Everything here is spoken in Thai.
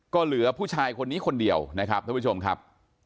ก็เหลือผู้ชายคนนี้คนเดียวนะครับท่านผู้ชมครับ